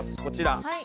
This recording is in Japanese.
こちら。